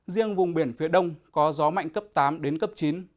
riêng vùng biển phía đông có gió mạnh cấp tám đến cấp chín